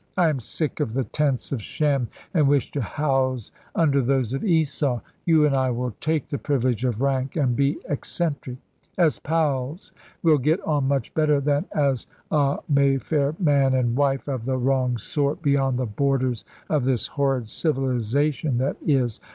I am sick of the tents of Shem, and wish to house under those of Esau. You and I will take the privilege of rank and be eccentric. As pals we'll get on much better than as a Mayfair man and wife of the wrong sort, beyond the borders of this horrid civilisation that is.